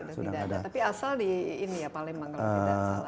sudah ada tapi asal di palembang